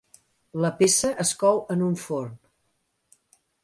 La peça es cou en un forn.